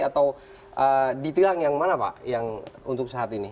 atau ditilang yang mana pak yang untuk saat ini